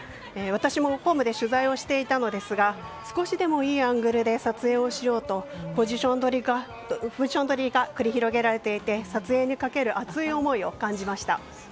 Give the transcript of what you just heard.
私もホームで取材をしていたのですが少しでもいいアングルで撮影しようとポジション取りが繰り広げられていて撮影にかける熱い思いを感じました。